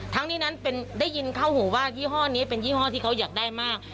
ทั้งนี้นั้นได้ยินเข้าหูว่ายี่ห้อนี้เป็นยี่ห้อที่เขาอยากได้มาก